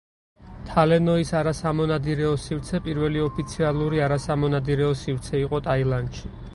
თალე ნოის არასამონადირეო სივრცე პირველი ოფიციალური არასამონადირეო სივრცე იყო ტაილანდში.